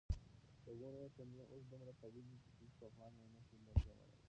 د ونو تنې اوس دومره قوي دي چې هیڅ طوفان یې نه شي لړزولی.